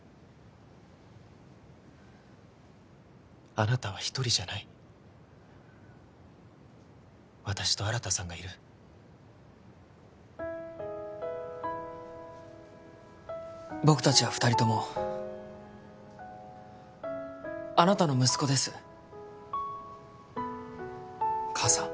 あなたは一人じゃない私と新さんがいる僕たちは二人ともあなたの息子です母さん